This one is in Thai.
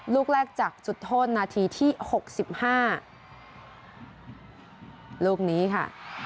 ลูกแรกจากจุดโทษนาทีที่หกสิบห้าลูกนี้ค่ะ